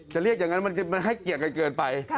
เรียกอย่างนั้นมันให้เกียรติกันเกินไป